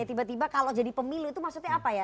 tiba tiba kalau jadi pemilu itu maksudnya apa ya